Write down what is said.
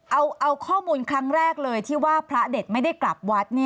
เอาข้อมูลครั้งแรกเลยที่ว่าพระเด็ดไม่ได้กลับวัด